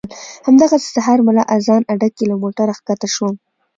همدغسې سهار ملا اذان اډه کې له موټره ښکته شوم.